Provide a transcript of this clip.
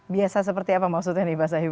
biasa seperti apa maksudnya nih bahasa ibu